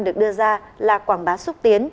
được đưa ra là quảng bá xúc tiến